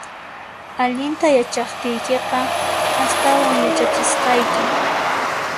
Allinta yachaqtiykiqa, astawan yachachisqayki